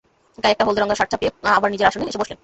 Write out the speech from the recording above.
গায়ে একটা হলদে রঙা শার্ট চাপিয়ে আবার নিজের আসনে এসে বসলেন।